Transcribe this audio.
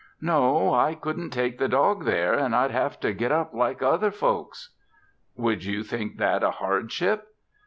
"No. I couldn't take the dog there an' I'd have to git up like other folks." "Would you think that a hardship?"